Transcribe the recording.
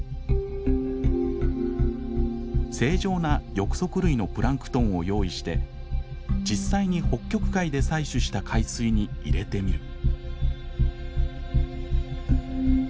正常な翼足類のプランクトンを用意して実際に北極海で採取した海水に入れてみる。